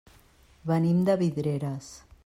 Venim de Vidreres.